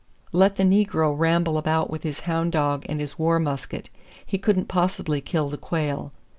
Let the negro ramble about with his hound dog and his war musket; he couldn't possibly kill the quail.